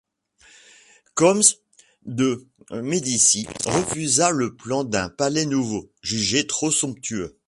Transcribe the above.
Cosme de Médicis refusa le plan d'un palais nouveau, jugé trop somptueux.